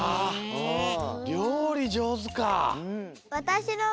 「りょうりじょうず」か。